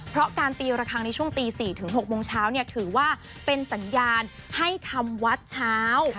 เพราะการตีระคังในช่วงตี๔๖โมงเช้าถือว่าเป็นสัญญาณให้ทำวัดเช้า